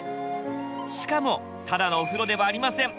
しかもただのお風呂ではありません。